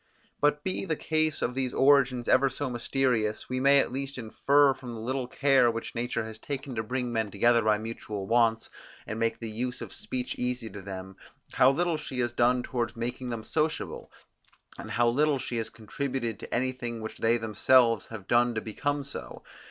But be the case of these origins ever so mysterious, we may at least infer from the little care which nature has taken to bring men together by mutual wants, and make the use of speech easy to them, how little she has done towards making them sociable, and how little she has contributed to anything which they themselves have done to become so.